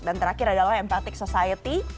dan terakhir adalah empathic society